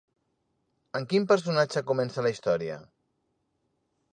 Amb quin personatge comença la història?